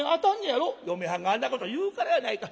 「嫁はんがあんなこと言うからやないか」。